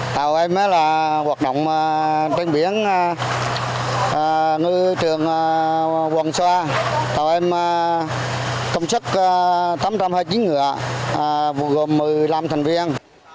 tàu em là hoạt động tranh biến ngư trường hoàng sa tàu em công chức tám trăm hai mươi chín ngựa vùng gồm một mươi năm thành viên